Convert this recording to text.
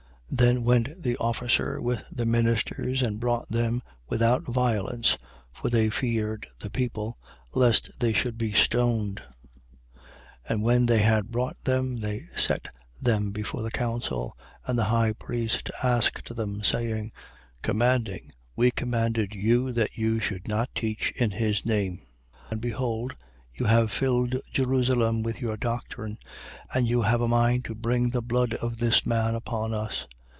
5:26. Then went the officer with the ministers and brought them without violence: for they feared the people, lest they should be stoned. 5:27. And when they had brought them, they set them before the council. And the high priest asked them, 5:28. Saying: Commanding, we commanded you that you should not teach in this name. And behold, you have filled Jerusalem with your doctrine: and you have a mind to bring the blood of this man upon us.